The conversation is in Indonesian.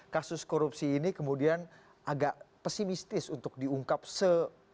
kasus korupsi ini kemudian agak pesimistis untuk diungkap se